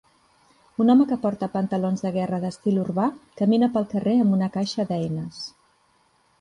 Un home que porta pantalons de guerra d'estil urbà camina pel carrer amb una caixa d'eines.